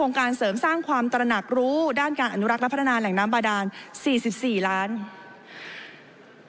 การเสริมสร้างความตระหนักรู้ด้านการอนุรักษ์และพัฒนาแหล่งน้ำบาดาน๔๔ล้านบาท